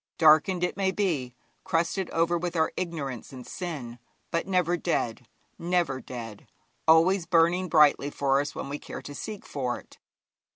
Darkened it may be, crusted over with our ignorance and sin, but never dead, never dead, always burning brightly for us when we care to seek for it.